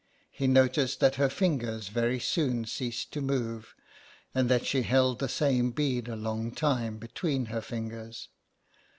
He noticed that her fingers very soon ceased to move ; and that she held the same bead a long time between her fingers.